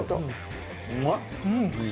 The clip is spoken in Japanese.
うまい！